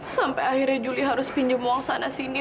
sampai akhirnya juli harus pinjam uang sana sini